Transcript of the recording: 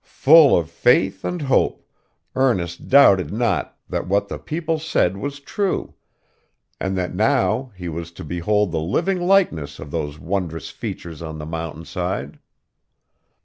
Full of faith and hope, Ernest doubted not that what the people said was true, and that now he was to behold the living likeness of those wondrous features on the mountainside.